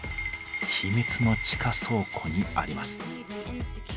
ヒミツの地下倉庫にあります。